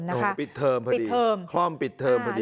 โหปิดเทิมพอดีคร่อมปิดเทิมพอดี